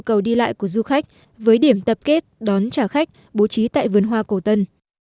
nhu cầu đi lại của du khách với điểm tập kết đón trả khách bố trí tại vườn hoa cổ tân